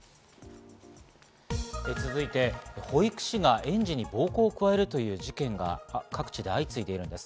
続いて、保育士が園児に暴行を加えるという事件が各地で相次いでいます。